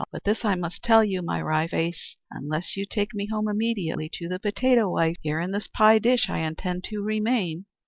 But this I must tell you, my Wry Face, unless you take me home immediately to the potato wife, here, in this pie dish, I intend to remain."